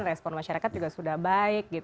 respon masyarakat juga sudah baik